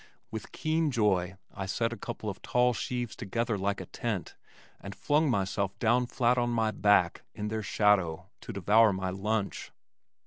With keen joy I set a couple of tall sheaves together like a tent and flung myself down flat on my back in their shadow to devour my lunch.